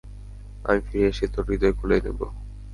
আমি ফিরে এসে তোর হৃদয় খুলে নিবো।